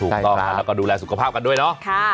แล้วก็ดูแลสุขภาพกันด้วยเนอะ